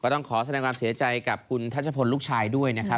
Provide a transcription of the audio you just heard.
ต้องขอแสดงความเสียใจกับคุณทัชพลลูกชายด้วยนะครับ